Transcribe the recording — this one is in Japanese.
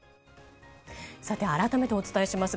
改めてお伝えしますが